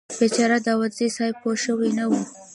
بیچاره داوودزی صیب پوه شوي نه و.